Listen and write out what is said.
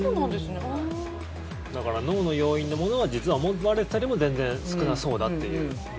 だから、脳の要因のものは実は思われていたよりも全然少なそうだっていう。